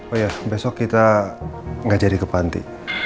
oh iya besok kita nggak jadi ke panti